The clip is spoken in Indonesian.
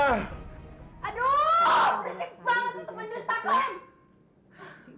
aduh bersih banget teman teman